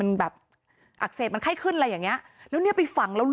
มันแบบอักเสบมันไข้ขึ้นอะไรอย่างเงี้ยแล้วเนี้ยไปฝังแล้ว